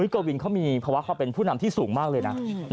กวินเขามีภาวะเขาเป็นผู้นำที่สูงมากเลยนะ